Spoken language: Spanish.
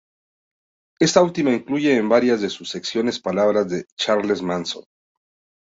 Esta última incluye en varias de sus secciones palabras de Charles Manson.